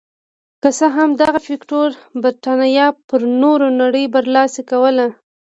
که څه هم دغه فکټور برېتانیا پر نورې نړۍ برلاسې کوله.